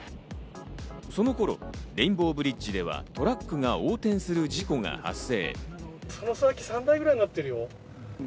その頃、レインボーブリッジではトラックが横転する事故が発生。